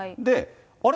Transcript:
あれ？